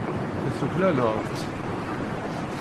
Tuklaleḍ-t.